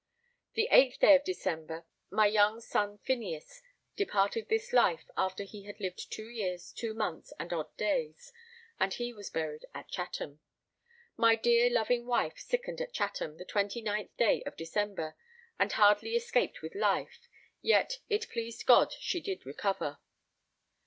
The 8th day of December my young son Phineas departed this life after he had lived 2 years 2 months and odd days, and was buried at Chatham. My dear loving wife sickened at Chatham the 29th day of December, and hardly escaped with life, yet it pleased God she did recover.